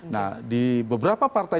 nah di beberapa partai